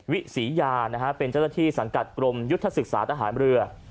วิศรียานะฮะเป็นเจ้าหน้าที่สังกัดกรมยุทธศึกษาทหารเรือ